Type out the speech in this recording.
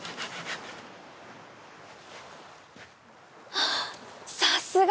あっさすが！